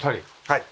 はい。